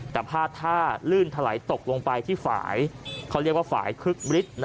แต่พาดท่าลื่นถลายตกลงไปที่ฝ่ายเขาเรียกว่าฝ่ายคึกฤทธิ์